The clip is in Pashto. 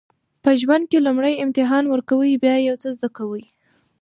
په ژوند کې لومړی امتحان ورکوئ بیا یو څه زده کوئ.